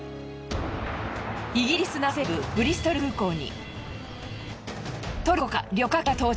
イギリス南西部ブリストル空港に。